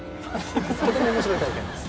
とても面白い体験です。